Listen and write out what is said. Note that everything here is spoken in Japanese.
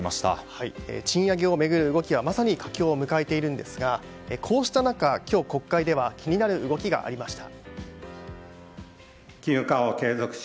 賃上げを巡る動きはまさに佳境を迎えているんですがこうした中、今日国会では気になる動きがありました。